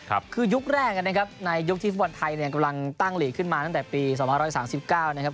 คือยุคแรกนะครับในยุคที่ธรรมพฤษไทยกำลังตั้งลีกขึ้นมาตั้งแต่ปี๑๙๓๙นะครับ